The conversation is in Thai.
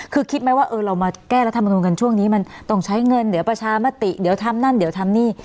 คือคิดไหมว่าเออเรามาแก้รัฐมนุนกันช่วงนี้มันต้องใช้เงินเดี๋ยวประชามติเดี๋ยวทำนั่นเดี๋ยวทำนี่